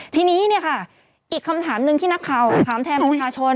ทีนี้เนี่ยค่ะอีกคำถามหนึ่งที่นักข่าวถามแทนประชาชน